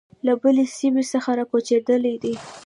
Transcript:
له بلې سیمې څخه را کوچېدلي دي.